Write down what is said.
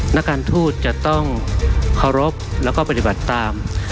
นการทูธจะต้องขอรบและปฏิบัติตาม